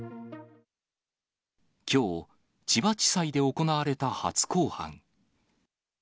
きょう、千葉地裁で行われた初公判。